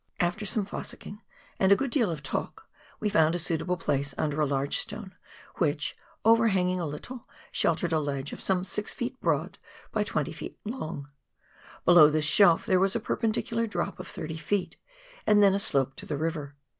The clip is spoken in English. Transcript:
After some "fossicking" and a good deal of talk, we found a suitable place under a large stone, which, overhanging a little, sheltered a ledge of some 6 ft. broad by 20 ft. long. Below this shelf there was a perpendicular drop of 30 ft., and then a slope to the river.